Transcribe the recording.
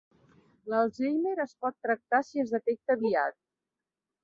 L'Alzheimer es pot tractar si es detecta aviat.